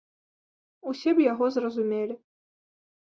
Усе б яго зразумелі.